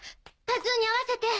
パズーに会わせて！